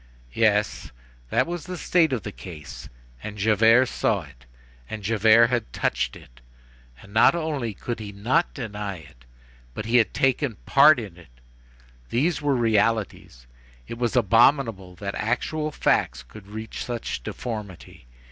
—Yes, that was the state of the case! and Javert saw it! and Javert had touched it! and not only could he not deny it, but he had taken part in it. These were realities. It was abominable that actual facts could reach such deformity.